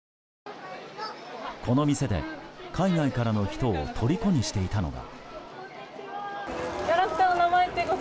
この店で、海外からの人をとりこにしていたのが。